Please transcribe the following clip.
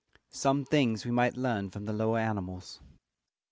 SOME THINGS WE MIGHT LEARN FROM THE LOWER ANIMALS.